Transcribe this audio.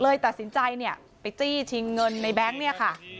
ตัดสินใจเนี่ยไปจี้ชิงเงินในแบงค์เนี่ยค่ะ